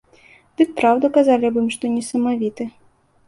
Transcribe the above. Дык праўду казалі аб ім, што не самавіты.